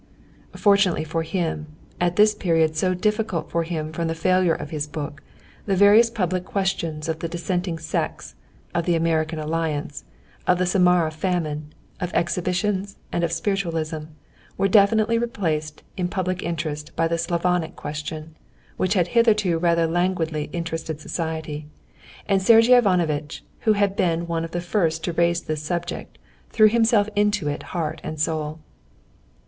Fortunately for him, at this period so difficult for him from the failure of his book, the various public questions of the dissenting sects, of the American alliance, of the Samara famine, of exhibitions, and of spiritualism, were definitely replaced in public interest by the Slavonic question, which had hitherto rather languidly interested society, and Sergey Ivanovitch, who had been one of the first to raise this subject, threw himself into it heart and soul.